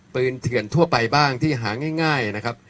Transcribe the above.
เถื่อนทั่วไปบ้างที่หาง่ายนะครับ